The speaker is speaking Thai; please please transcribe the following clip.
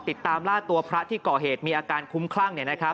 ติดตามล่าตัวพระที่ก่อเหตุมีอาการคุ้มคลั่ง